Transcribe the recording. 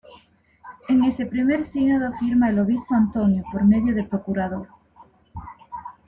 En ese primer sínodo firma el obispo Antonio por medio de procurador.